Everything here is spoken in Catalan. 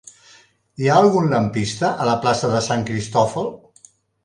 Hi ha algun lampista a la plaça de Sant Cristòfol?